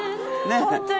本当に。